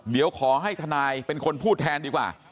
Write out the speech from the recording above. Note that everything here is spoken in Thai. เดี๋ยวขอให้ทนายเป็นคนพูดแทนดีกว่า